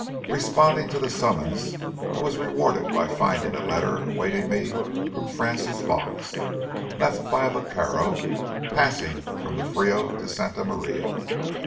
Responding to the summons, I was rewarded by finding a letter awaiting me from Frances Vaux, left by a vaquero passing from the Frio to Santa Maria.